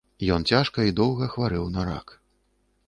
Ён цяжка і доўга хварэў на рак.